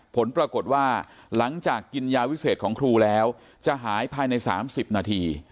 ผลปรากฏว่าหลังจากกินยาวิเศษของครูแล้วจะหายภายใน๓๐นาที